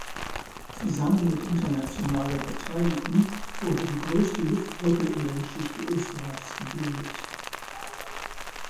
Zusammen mit internationaler Beteiligung wurde die größte Luftbrücke in der Geschichte Österreichs gebildet.